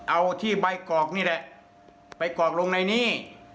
เอาที่ใบกรอกนี่แหละไปกรอกลงในหนี้